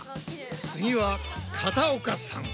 次は肩岡さん。